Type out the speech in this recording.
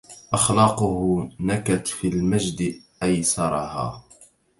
أخلاقه نكت في المجد أيسرها